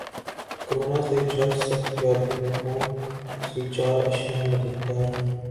corona سے جلد صحت یابی میں کون سی چار اشیا مددگار ہیں